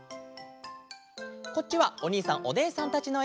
こっちはおにいさんおねえさんたちのえ。